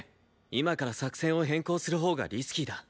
今から作戦を変更するほうがリスキーだ。